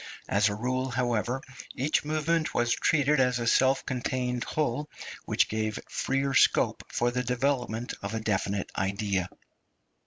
As a rule, however, each movement was treated as a self contained whole, which gave freer scope for the development of a definite idea.